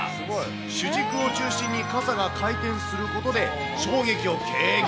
主軸を中心に傘が回転することで、衝撃を軽減。